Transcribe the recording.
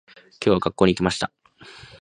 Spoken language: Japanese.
今日は、学校に行きました。